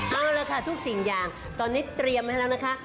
เอาละค่ะทุกสิ่งอย่างตอนนี้เตรียมให้แล้วนะคะ